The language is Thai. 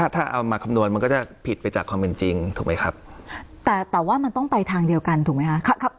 ถ้าเอามาคำนวณมันก็จะผิดไปจากความเป็นจริงถูกไหมครับแต่แต่ว่ามันต้องไปทางเดียวกันถูกไหมคะ